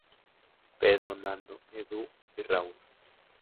Pedro, Nando, Edu y Raúl.